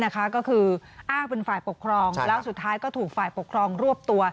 ก็คืออ้างเป็นฝ่ายปกครองแล้วสุดท้ายก็ถูกฝ่ายปกครองรวบตัว